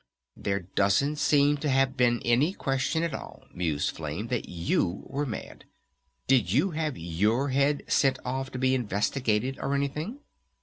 "There doesn't seem to have been any question at all," mused Flame, "that you were mad! Did you have your head sent off to be investigated or anything?"